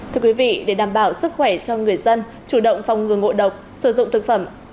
thưa quý vị để đảm bảo sức khỏe cho người dân chủ động phòng ngừa ngộ độc sử dụng thực phẩm